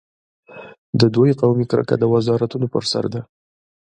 د دوی قومي کرکه د وزارتونو پر سر ده.